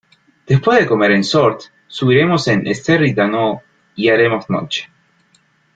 Después de comer en Sort, subiremos en Esterri d'Àneu, y haremos noche.